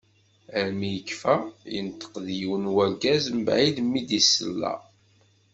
Armi yekfa, yenṭeq-d yiwen n urgaz mbeɛid mi d-iṣella.